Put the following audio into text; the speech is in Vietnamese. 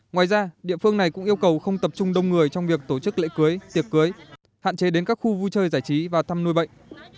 ngoài ra địa phương này cũng yêu cầu không tập trung đông người trong việc tổ chức lễ cưới tiệc cưới hạn chế đến các khu vui chơi giải trí và thăm nuôi bệnh